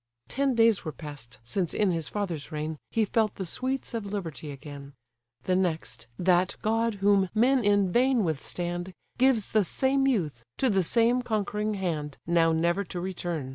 Ten days were past, since in his father's reign He felt the sweets of liberty again; The next, that god whom men in vain withstand Gives the same youth to the same conquering hand Now never to return!